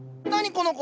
この子。